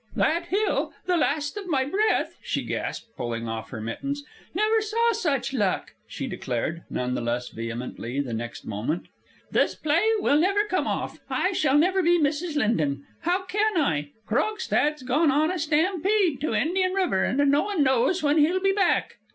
"That hill! The last of my breath!" she gasped, pulling off her mittens. "Never saw such luck!" she declared none the less vehemently the next moment. "This play will never come off! I never shall be Mrs. Linden! How can I? Krogstad's gone on a stampede to Indian River, and no one knows when he'll be back!